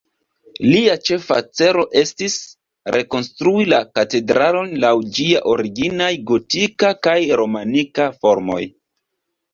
Lia ĉefa celo estis, rekonstrui la katedralon laŭ ĝia originaj gotika kaj romanika formoj.